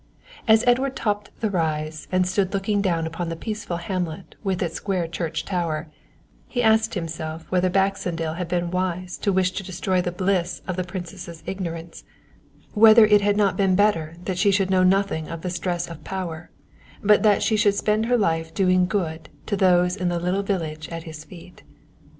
As Edward topped the rise and stood looking down upon the peaceful hamlet with its square church tower, he asked himself whether Baxendale had been wise to wish to destroy the bliss of the Princess's ignorance whether it had not been better that she should know nothing of the stress of power, but that she should spend her life doing good to those in the little village at his feet.